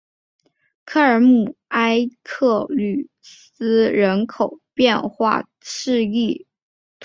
科尔姆埃克吕斯人口变化图示